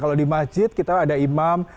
kalau di masjid kita ada imam